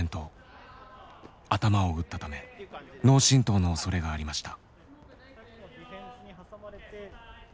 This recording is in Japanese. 頭を打ったため脳震とうのおそれがありました。